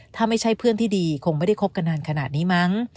ถ้าไม่ใช่เพื่อนที่ดีคงไม่ได้คบกันนานขนาดนี้มั้ง